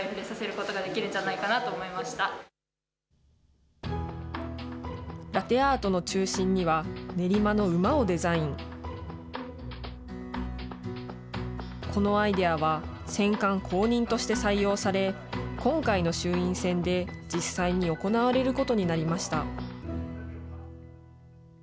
このアイデアは、選管公認として採用され、今回の衆院選で実際に行われることになりました。